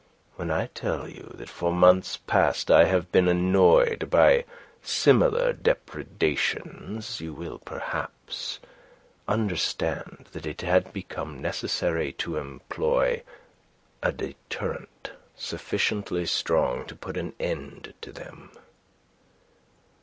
When I tell you that for months past I have been annoyed by similar depredations, you will perhaps understand that it had become necessary to employ a deterrent sufficiently strong to put an end to them.